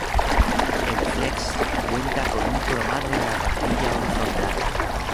El Flex cuenta con un cromado en la parrilla horizontal.